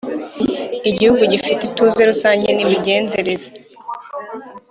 igihugu gifite ituze rusange n imigenzereze